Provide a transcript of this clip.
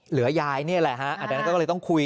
ยายนี่แหละฮะอันนั้นก็เลยต้องคุย